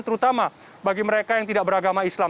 terutama bagi mereka yang tidak beragama islam